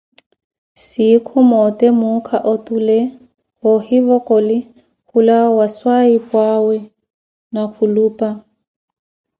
Sinkhu moote muukha otule woohivokoli khulawa owawe swayipwawe ni khulupa.